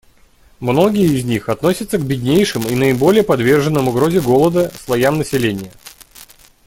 Многие из них относятся к беднейшим и наиболее подверженным угрозе голода слоям населения.